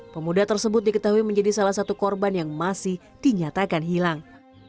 pemuda tersebut diketahui menjadi salah satu korban yang masih dinyatakan hilang